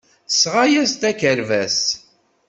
Tesɣa-as-d akerbas.